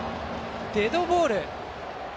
デッドボール。